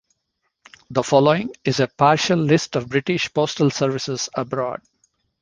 The following is a partial list of British postal services abroad.